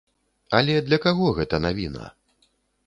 Але для каго гэта навіна?